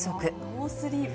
ノースリーブ。